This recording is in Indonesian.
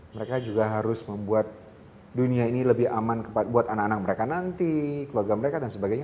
mereka juga harus membuat dunia ini lebih aman buat anak anak mereka nanti keluarga mereka dan sebagainya